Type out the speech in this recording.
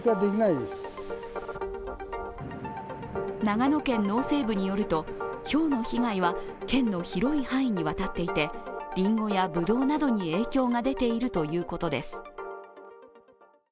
長野県農政部によるとひょうの被害は県の広い範囲にわたっていて、りんごやぶどうなどに影響が出ているということです。